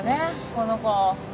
この子。